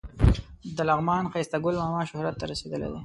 د لغمان ښایسته ګل ماما شهرت ته رسېدلی دی.